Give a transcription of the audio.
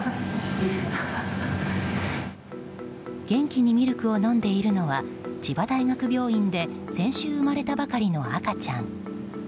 元気にミルクを飲んでいるのは千葉大学病院で先週生まれたばかりの赤ちゃん。